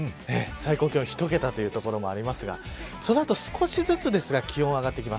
最高気温一桁の所もありますがその後、少しですが気温が上がってきます。